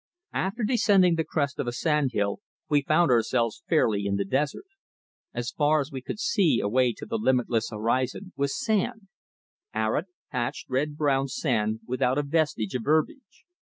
After descending the crest of a sand hill we found ourselves fairly in the desert. As far as we could see away to the limitless horizon was sand arid, parched red brown sand without a vestige of herbage.